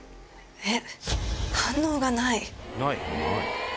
えっ。